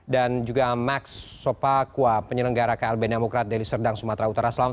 dan juga max sopakwa penyelenggara klb demokrat deliserdang sumatera utara